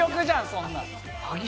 そんなん。